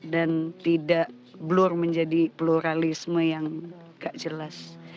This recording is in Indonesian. dan tidak blur menjadi pluralisme yang gak jelas